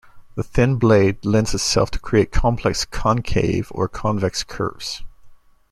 The thin blade lends itself to create complex concave or convex curves.